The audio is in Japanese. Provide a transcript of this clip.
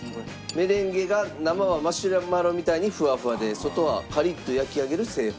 メレンゲが生マシュマロみたいにふわふわで外はカリッと焼き上げる製法。